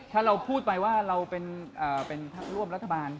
ถ้าเราพูดไปว่าเราเป็นพักร่วมรัฐบาล